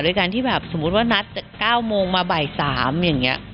โดยการที่แบบสมมุติว่านัด๙โมงมาบ่าย๓อย่างนี้